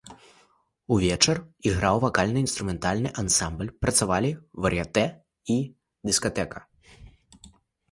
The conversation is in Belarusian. Увечар іграў вакальна-інструментальны ансамбль, працавалі вар'етэ і дыскатэка.